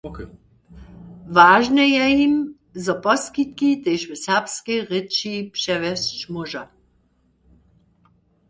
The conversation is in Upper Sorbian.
Wažne je jim, zo poskitki tež w serbskej rěči přewjesć móža.